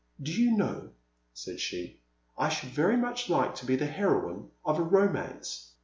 Do you know," said she, I should very much like to be the heroine of a romance."